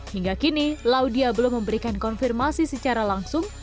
hingga kini laudia belum memberikan konfirmasi secara langsung